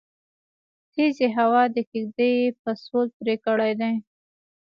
تيزې هوا د کيږدۍ پسول پرې کړی دی